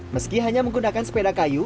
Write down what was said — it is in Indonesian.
meski hanya menggunakan sepeda kayu